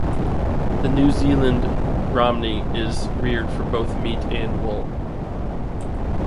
The New Zealand Romney is reared for both meat and wool.